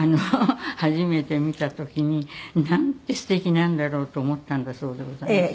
初めて見た時になんてすてきなんだろうと思ったんだそうでございます。